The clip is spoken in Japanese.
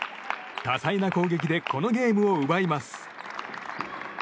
多彩な攻撃でこのゲームを奪います。